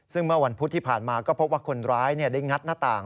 ซึ่งเมื่อวันพุธที่ผ่านมาก็พบว่าคนร้ายได้งัดหน้าต่าง